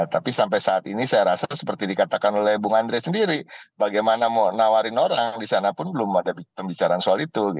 tapi sampai saat ini saya rasa seperti dikatakan oleh bung andre sendiri bagaimana mau nawarin orang di sana pun belum ada pembicaraan soal itu